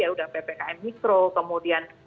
ya sudah ppkm mikro kemudian